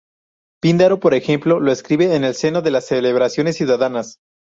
Píndaro, por ejemplo, lo describe en el seno de las celebraciones ciudadanas.